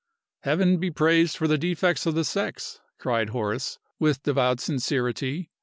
"Heaven be praised for the defects of the sex!" cried Horace, with devout sincerity.